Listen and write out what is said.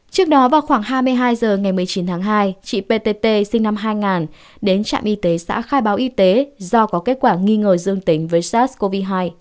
trước đó vào khoảng hai mươi hai h ngày một mươi chín tháng hai chị ptt sinh năm hai nghìn đến trạm y tế xã khai báo y tế do có kết quả nghi ngờ dương tính với sars cov hai